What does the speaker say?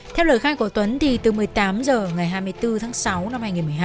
theo lời khai của tuấn thì từ một mươi tám h ngày hai mươi bốn tháng sáu năm hai nghìn một mươi hai